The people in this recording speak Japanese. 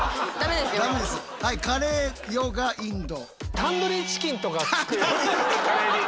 はいカレーヨガインド。